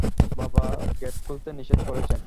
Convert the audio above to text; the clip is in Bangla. বাবা গেট খুলতে নিষেধ করেছেন।